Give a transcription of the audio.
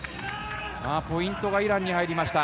ポイントがイランに入りました。